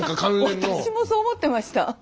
私もそう思ってました。